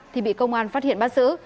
thì bị công an phát hiện bắt giữ